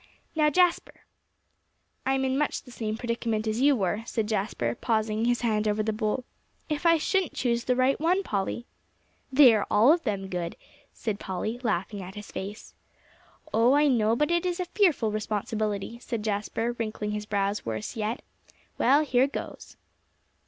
"Now, Jasper." "I'm in much the same predicament as you were," said Jasper, pausing, his hand over the bowl. "If I shouldn't choose the right one, Polly!" "They are all of them good," said Polly, laughing at his face. "Oh, I know, but it is a fearful responsibility," said Jasper, wrinkling his brows worse yet. "Well, here goes!"